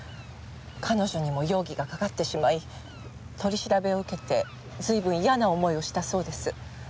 彼女にも容疑がかかってしまい取り調べを受けて随分嫌な思いをしたそうです。